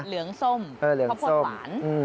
เหลืองส้มข้าวโพดหวาน